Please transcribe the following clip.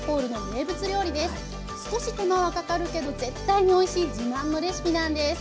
少し手間はかかるけど絶対においしい自慢のレシピなんです。